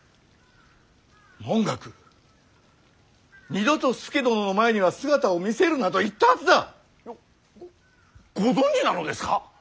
文覚二度と佐殿の前には姿を見せるなと言ったはずだ！ごご存じなのですか！？